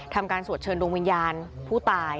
ทำการสวดเชิญดวงวิญญาณผู้ตาย